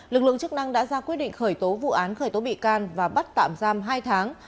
lực lượng chức năng đã ra quyết định khởi tố vụ án khởi tố bị can và bắt tạm giam hai tháng